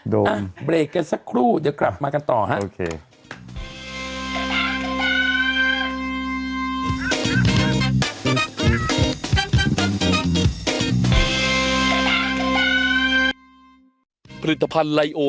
โดนอ่ะเบรกกันสักครู่เดี๋ยวกลับมากันต่อครับ